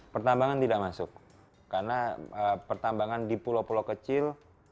pertambangan tidak masuk karena pertambangan di pulau pulau kecil